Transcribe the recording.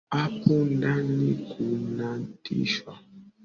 Hapo ndani kunatisha